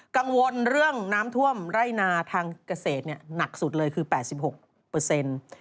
กังวลเรื่องน้ำท่วมไร่นาทางเกษตรเนี่ยหนักสุดเลยคือ๘๖เปอร์เซ็นต์